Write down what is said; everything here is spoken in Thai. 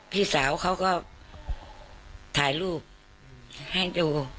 พี่สาวเขาก็ถ่ายรูปให้ดู